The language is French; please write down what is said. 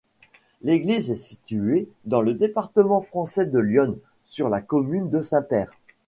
L'église est située dans le département français de l'Yonne, sur la commune de Saint-Père.